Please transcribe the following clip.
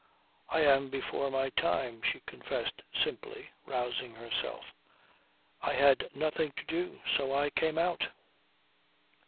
"I am before my time," she confessed simply, rousing herself. "I had nothing to do. So I came out."